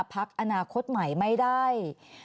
พักอนาคตใหม่ไม่ได้